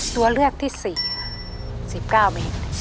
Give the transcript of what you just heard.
ตัวเลือกที่๔ค่ะ๑๙เมตร